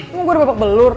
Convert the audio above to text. mau gue ada bebek belur